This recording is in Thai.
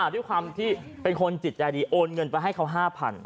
ด้วยความที่เป็นคนจิตใจดีโอนเงินไปให้เขา๕๐๐